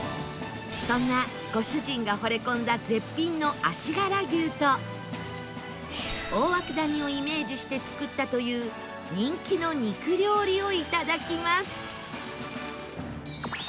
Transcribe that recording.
そんなご主人がほれ込んだ絶品の足柄牛と大涌谷をイメージして作ったという人気の肉料理をいただきます